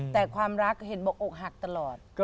แต่ความรักเห็นบอกอกหักตลอด